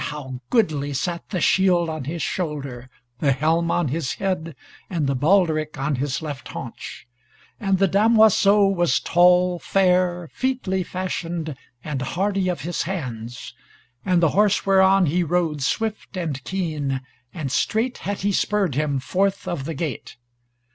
how goodly sat the shield on his shoulder, the helm on his head, and the baldric on his left haunch! And the damoiseau was tall, fair, featly fashioned, and hardy of his hands, and the horse whereon he rode swift and keen, and straight had he spurred him forth of the gate.